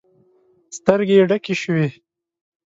سترګې يې ډکې شوې.